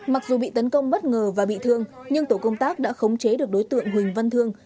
mặc dù bị tấn công bất ngờ và bị thương nhưng tổ công tác đã khống chế được đối tượng huỳnh văn thương